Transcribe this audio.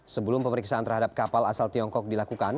sebelum pemeriksaan terhadap kapal asal tiongkok dilakukan